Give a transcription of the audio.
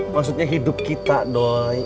maksudnya hidup kita doi